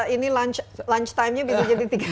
ini lunch timenya bisa jadi tiga